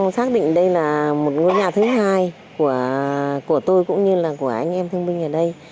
xác định đây là một ngôi nhà thứ hai của tôi cũng như là của anh em thương binh ở đây